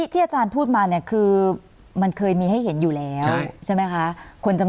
ที่อาจารย์พูดมาเนี่ยคือมันเคยมีให้เห็นอยู่แล้วใช่ไหมคะ